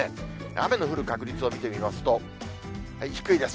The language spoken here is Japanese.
雨の降る確率を見てみますと、低いです。